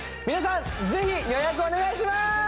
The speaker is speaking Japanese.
皆さんぜひ予約お願いしまーす！